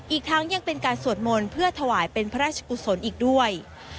อีกทั้งยังเป็นการสวดมนต์เพื่อถวายเป็นพระราชกุศลอีกด้วย